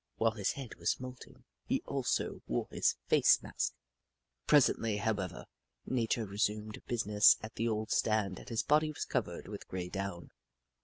While his head was moulting, he also wore his face mask. Presently, however. Nature resumed busi ness at the old stand and his body was covered with grey down.